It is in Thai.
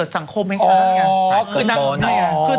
ช่วยเหลือสังคมให้ใช่ไง